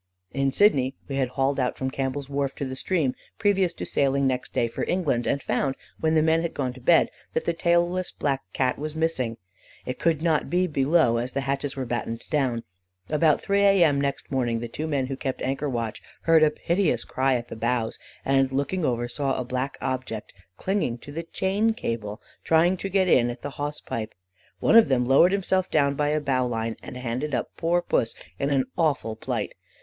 "In Sydney we had hauled out from Campbell's Wharf to the stream, previous to sailing next day for England, and found, when the men had gone to bed, that the tailless black Cat was missing. It could not be below, as the hatches were battened down. About 3 A.M. next morning, the two men who kept anchor watch heard a piteous cry at the bows, and looking over saw a black object clinging to the chain cable, trying to get in at the hawse pipe. One of them lowered himself down by a bowline, and handed up poor Pussy in an awful plight.